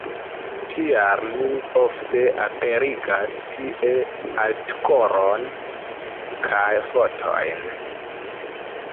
Tial mi ofte aperigas tie artikolon kaj fotojn.